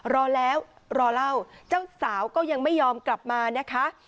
รอแล้วรอเล่าเจ้าสาวก็ยังไม่ยอมกลับมานะคะ